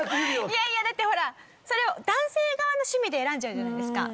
いやいやだってほらそれを男性側の趣味で選んじゃうじゃないですか。